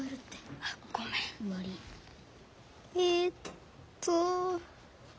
えっと。